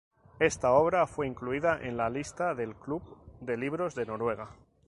Esta obra fue incluida en la lista del Club de libros de Noruega.